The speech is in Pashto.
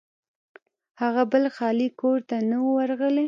هغه بل خالي کور ته نه و ورغلی.